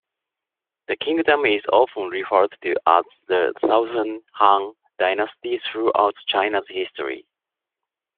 The kingdom is often referred to as the Southern Han Dynasty throughout China's history.